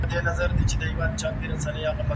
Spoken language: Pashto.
ولي مدام هڅاند د هوښیار انسان په پرتله بریا خپلوي؟